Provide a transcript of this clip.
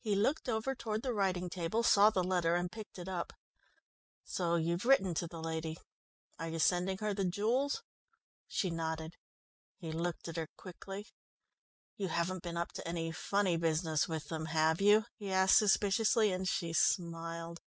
He looked over toward the writing table, saw the letter, and picked it up. "So you've written to the lady. Are you sending her the jewels?" She nodded. He looked at her quickly. "You haven't been up to any funny business with them, have you?" he asked suspiciously, and she smiled.